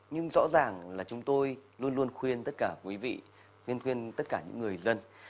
nhưng rõ ràng là chúng tôi luôn luôn khuyên tất cả quý vị khuyên khuyên tất cả những người dân